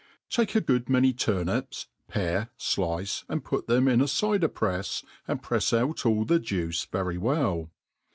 TAKE a good many turnips, pare, flice, and pui thtni in d cyder prefs, and prefs out all the juice vciry well.